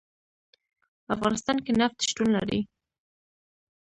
په افغانستان کې نفت شتون لري.